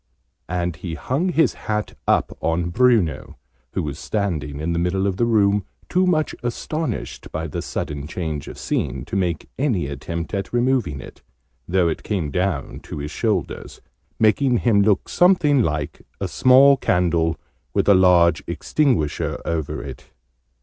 And he hung his hat up on Bruno, who was standing in the middle of the room, too much astonished by the sudden change of scene to make any attempt at removing it, though it came down to his shoulders, making him look something like a small candle with a large extinguisher over it.